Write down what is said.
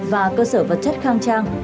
và cơ sở vật chất khang trang